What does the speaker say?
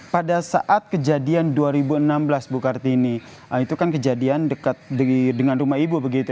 pada saat kejadian dua ribu enam belas bu kartini itu kan kejadian dekat dengan rumah ibu begitu